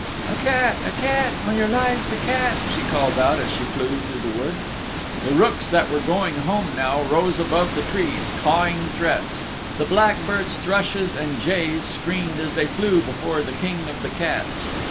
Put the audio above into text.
"A cat, a cat, on your lives a cat," she called out as she flew through the wood. The rooks that were going home now rose above the trees, cawing threats. The blackbirds, thrushes and jays screamed as they flew before the King of the Cats.